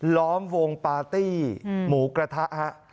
ล้อมวงปาร์ตี้หมูกระทะฮะ